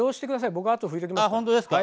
僕あと拭いておきますから。